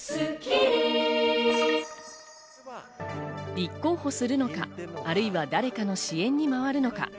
立候補するのかあるいは誰かの支援に回るのか。